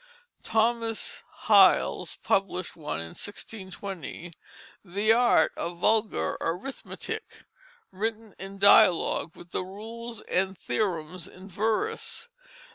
Thomas Hylles published one in 1620, The Arte of Vulgar Arithmiteke, written in dialogue, with the rules and theorems in verse.